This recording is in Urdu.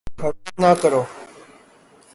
حرکت نہ کرو